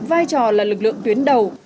vai trò là lực lượng tuyến đầu